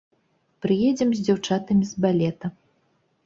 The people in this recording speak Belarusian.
Прыедзем з дзяўчатамі з балета.